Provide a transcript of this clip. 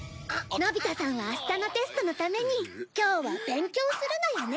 のび太さんは明日のテストのために今日は勉強するのよね？